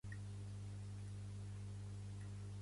A meva àvia li has de parlar amb català sinó no t'entén